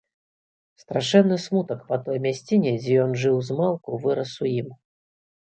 Страшэнны смутак па той мясціне, дзе ён жыў змалку, вырас у ім.